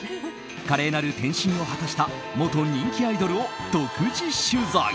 華麗なる転身を果たした元人気アイドルを独自取材。